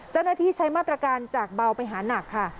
เจ้าหน้าที่ใช้มาตรการจากเบาไปหานักค่ะ